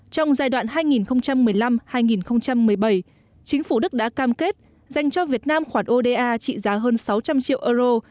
trong giai đoạn hai nghìn một mươi năm hai nghìn một mươi bảy chính phủ đức đã cam kết dành cho việt nam khoản oda trị giá hơn sáu trăm linh triệu euro